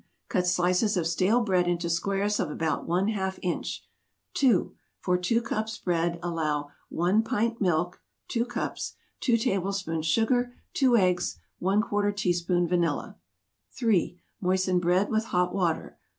Cut slices of stale bread into squares of about one half inch. 2. For 2 cups bread, allow 1 pint milk (2 cups) 2 tablespoons sugar 2 eggs ¼ teaspoon vanilla 3. Moisten bread with hot water.